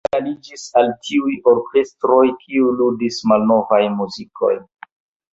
Li aliĝis al tiuj orkestroj, kiuj ludis malnovajn muzikojn.